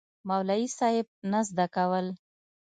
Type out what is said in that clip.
مولوي صېب نه زده کول